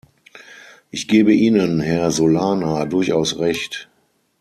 Ich gebe Ihnen, Herr Solana, durchaus Recht.